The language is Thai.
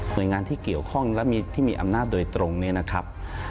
โดยงานที่เกี่ยวข้องและที่มีอำนาจโดยตรงเนี่ยนะครับ